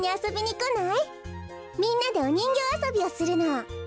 みんなでおにんぎょうあそびをするの。